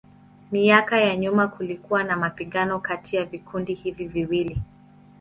Miaka ya nyuma kulikuwa na mapigano kati ya vikundi hivi viwili.